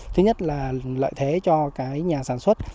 thứ nhất là lợi thế cho cái nhà sản xuất